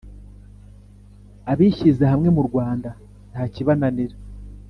Abishyize hamwe Mu Rwanda ntakibananira